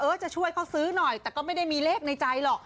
จะช่วยเขาซื้อหน่อยแต่ก็ไม่ได้มีเลขในใจหรอก